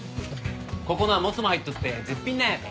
ここのはモツも入っとって絶品なんやて。